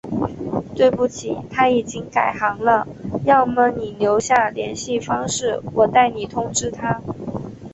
对不起，他已经改行了，要么你留下联系方式，我代你通知他。